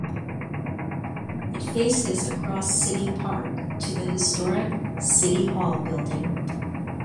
It faces across City Park to the historic City Hall building.